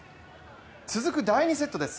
続く第２セットです。